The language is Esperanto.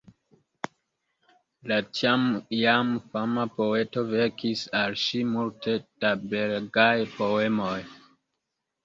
La tiam jam fama poeto verkis al ŝi multe da belegaj poemoj.